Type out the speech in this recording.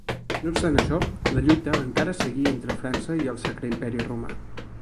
No obstant això, la lluita encara seguí entre França i el Sacre Imperi Romà.